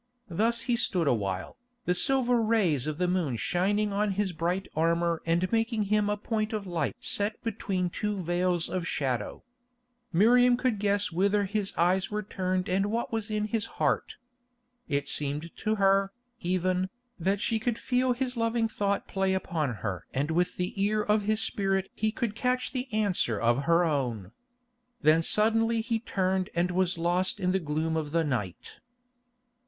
Thus he stood awhile, the silver rays of the moon shining on his bright armour and making him a point of light set between two vales of shadow. Miriam could guess whither his eyes were turned and what was in his heart. It seemed to her, even, that she could feel his loving thought play upon her and that with the ear of his spirit he could catch the answer of her own. Then suddenly he turned and was lost in the gloom of the night.